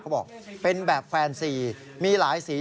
เขาบอกเป็นแบบแฟนซีมีหลายสี